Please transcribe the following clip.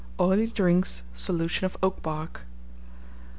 Oily Drinks, Solution of Oak bark.